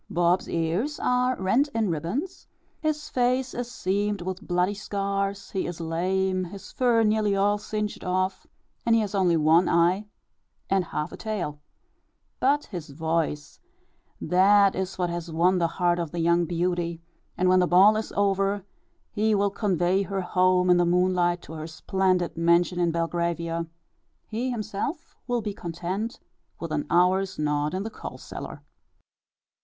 Bob's ears are rent in ribbons, his face is seamed with bloody scars, he is lame, his fur nearly all singed off, and he has only one eye and half a tail; but his voice, that is what has won the heart of the young beauty; and when the ball is over he will convey her home in the moonlight to her splendid mansion in Belgravia he himself will be content with an hour's nod in the coal cellar.